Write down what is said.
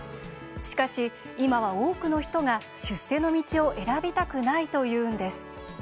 しかし今は、多くの人が出世の道を選びたくないというんです。